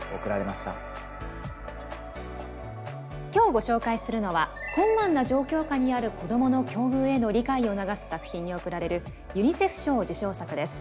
今日ご紹介するのは困難な状況下にある子どもの境遇への理解を促す作品に贈られるユニセフ賞受賞作です。